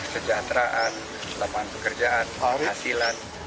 sejahteraan lapangan pekerjaan hasilan